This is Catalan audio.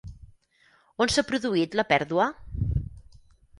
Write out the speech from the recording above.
On s'ha produït la pèrdua?